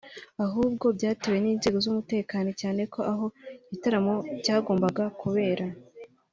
ahubwo byatewe n’inzego z’umutekano cyane ko aho icyo gitaramo cyagombaga kubera